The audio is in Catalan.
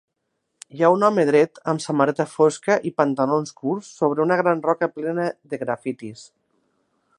Hi ha un home dret amb samarreta fosca i pantalons curts sobre una gran roca plena de grafitis.